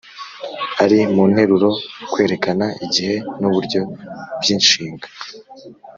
ari mu nteruro, kwerekana igihe n’uburyo by’inshinga,